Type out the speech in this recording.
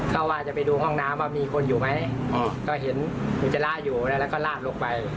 เขาว่าจะไปดูห้องน้ำว่ามีคนอยู่ไหมก็เห็นอุจจาระอยู่แล้วก็ลาดลงไป